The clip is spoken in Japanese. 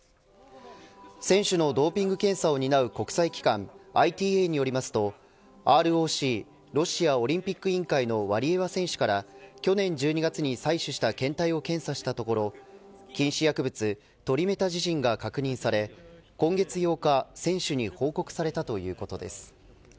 選手のドーピング検査を担う国際機関ＩＴＡによりますとＲＯＣロシアオリンピック委員会のワリエワ選手から去年１２月に採取した検体を検査したところ禁止薬物トリメタジジンが確認され今月８日選手に報告されたということです。